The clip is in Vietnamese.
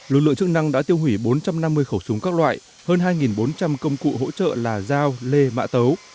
lực lượng chức năng đã tiêu hủy bốn trăm năm mươi khẩu súng các loại hơn hai bốn trăm linh công cụ hỗ trợ là giao lê mạ tấu